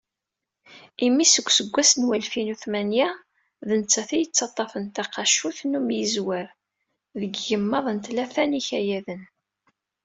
Imi seg useggas n walfin u tmanya, d nettat i yettaṭṭafen taqacut n umyizwer deg yigemmaḍ n tlata n yikayaden.